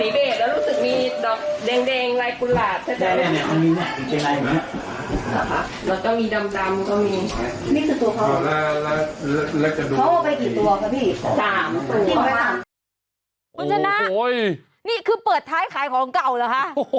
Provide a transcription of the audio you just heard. คุณชนะนี่คือเปิดท้ายขายของเก่าเหรอคะ